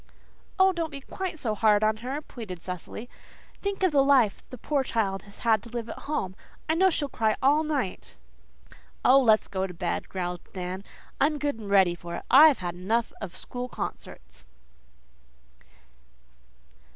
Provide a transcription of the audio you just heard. "Oh, don't be quite so hard on her," pleaded Cecily. "Think of the life the poor child has to live at home. I know she'll cry all night." "Oh, let's go to bed," growled Dan. "I'm good and ready for it. I've had enough of school concerts."